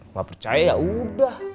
nggak percaya yaudah